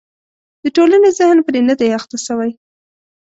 د ټولنې ذهن پرې نه دی اخته شوی.